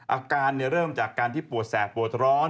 อาการเริ่มจากการที่ปวดแสบปวดร้อน